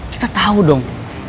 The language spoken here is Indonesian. kita tau dong